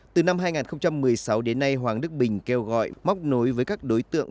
từ năm hai nghìn một mươi sáu đến nay hoàng đức bình kêu gọi móc nối với các đối tượng